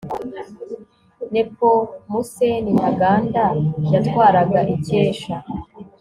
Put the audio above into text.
Nepomuseni Ntaganda yatwaraga Icyesha